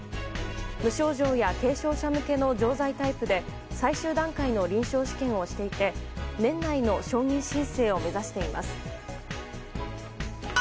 無症状や軽症者向けの錠剤タイプで最終段階の臨床試験をしていて年内の承認申請を目指しています。